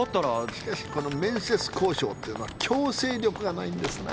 しかしこの面接交渉ってのは強制力がないんですな。